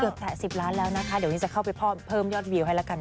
แตะ๑๐ล้านแล้วนะคะเดี๋ยวนี้จะเข้าไปเพิ่มยอดวิวให้ละกัน